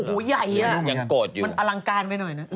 โอ้ยใหญ่น่ะมันอลังการไปหน่อยนะมันอลังการไปอยู่